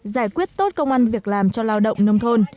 giải quyết tốt công an việc làm cho lao động nông thôn